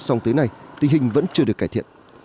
song tới nay tình hình vẫn chưa được cải thiện